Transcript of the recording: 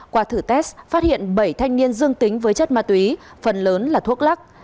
qua thử test phát hiện bảy thanh niên dương tính với chất ma túy phần lớn là thuốc lắc